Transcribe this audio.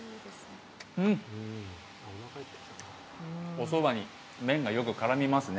おそばに麺がよく絡みますね。